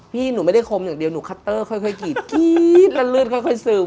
พี่หนูไม่ได้คมอย่างเดียวหนูคัตเตอร์ค่อยกรีดกรี๊ดแล้วเลือดค่อยซึม